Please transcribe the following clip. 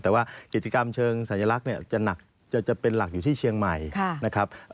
แต่ว่ากิจกรรมเชิงสัญลักษณ์จะหนักจะเป็นหลักอยู่ที่เชียงใหม่นะครับ